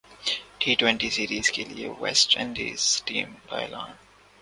T twenty series کیلئے West Indian team کااعلان